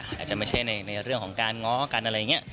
อาจจะไม่ใช่ในเรื่องของการง้อกันอะไรอย่างนี้